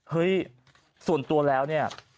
เฮ้ยส่วนตัวแล้วเนี่ย